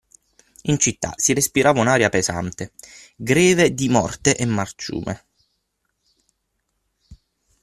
In città si respirava un’aria pesante, greve di morte e marciume.